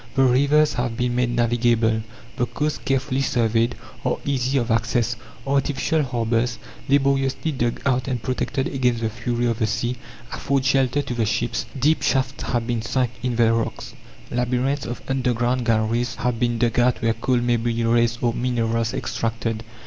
The rivers have been made navigable; the coasts, carefully surveyed, are easy of access; artificial harbours, laboriously dug out and protected against the fury of the sea, afford shelter to the ships. Deep shafts have been sunk in the rocks; labyrinths of underground galleries have been dug out where coal may be raised or minerals extracted.